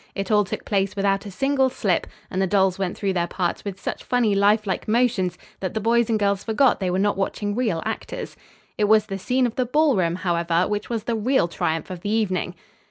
It all took place without a single slip and the dolls went through their parts with such funny life like motions that the boys and girls forgot they were not watching real actors. It was the scene of the ballroom, however, which was the real triumph of the evening.